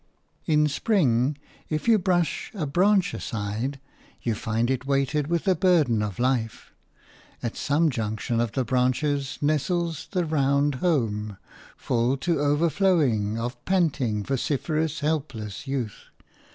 In spring, if you brush a branch aside, you find it weighted with a burden of life. At some junction of the branches nestles the round home, full to overflowing, of panting, vociferous, helpless youth.